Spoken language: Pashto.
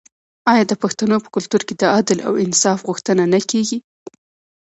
آیا د پښتنو په کلتور کې د عدل او انصاف غوښتنه نه کیږي؟